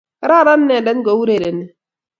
Kararan inendet ngourereni